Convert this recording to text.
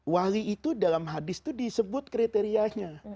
wali itu dalam hadis itu disebut kriterianya